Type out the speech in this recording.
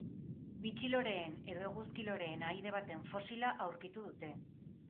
Bitxiloreen edo eguzki loreen ahaide baten fosila aurkitu dute.